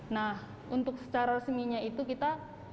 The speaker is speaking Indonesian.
nah untuk secara resminya itu kita